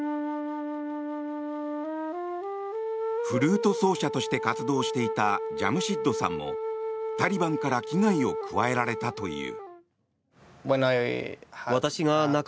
フルート奏者として活動していた兄のジャムシッドさんもタリバンから危害を加えられたという。